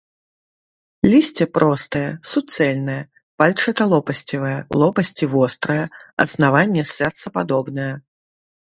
Лісце простае, суцэльнае, пальчата-лопасцевае, лопасці вострыя, аснаванне сэрцападобнае.